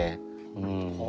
うん。